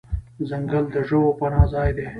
ځنګل د ژوو پناه ځای دی.